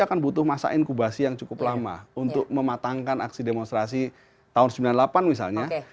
akan butuh masa inkubasi yang cukup lama untuk mematangkan aksi demonstrasi tahun sembilan puluh delapan misalnya